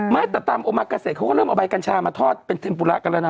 ไม่แต่ตามโอมาเกษตรเขาก็เริ่มเอาใบกัญชามาทอดเป็นเทมปุระกันแล้วนะ